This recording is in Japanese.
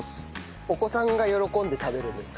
お子さんが喜んで食べるんですか。